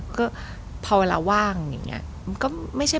ก็พอเวลาว่างอย่างนี้